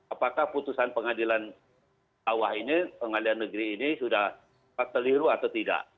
apakah putusan pengadilan bawah ini pengadilan negeri ini sudah keliru atau tidak